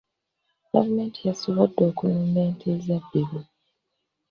Gavumenti yasobodde okununula ente ezabbibwa.